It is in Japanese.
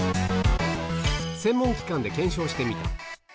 専門機関で検証してみた。